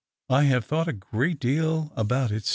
I tiave thought a great deal about it since."